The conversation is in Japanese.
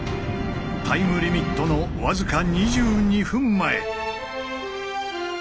タイムリミットの僅か２２分前。